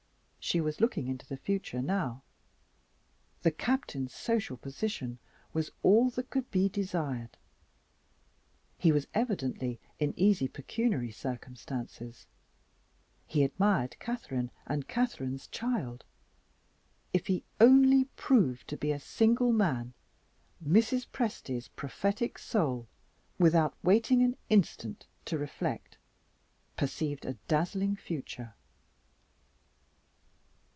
She was looking into the future now. The Captain's social position was all that could be desired; he was evidently in easy pecuniary circumstances; he admired Catherine and Catherine's child. If he only proved to be a single man, Mrs. Presty's prophetic soul, without waiting an instant to reflect, perceived a dazzling future.